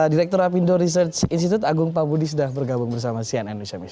direktur apindo research institute agung pabudi sudah bergabung bersama cnn indonesia mistis